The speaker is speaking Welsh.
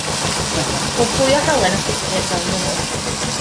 Rhowch fwy o halen a phupur fel y mynnwch.